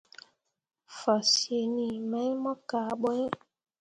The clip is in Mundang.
Fasǝǝni mai mo kan ɓo iŋ.